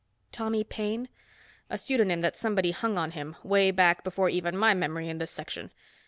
"Tommy Paine?" "A pseudonym that somebody hung on him way back before even my memory in this Section.